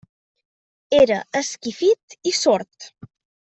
Era esquifit i sord.